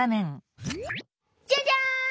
「じゃじゃん！